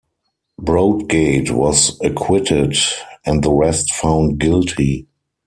Broadgate was acquitted, and the rest found guilty.